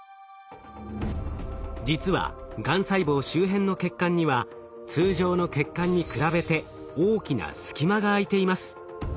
実はがん細胞周辺の血管には通常の血管に比べて大きな隙間があいています。